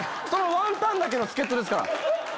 ワンターンだけの助っ人ですから。